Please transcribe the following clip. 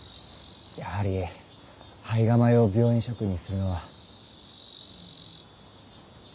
やはり胚芽米を病院食にするのは。